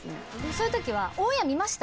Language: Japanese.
そういうときは。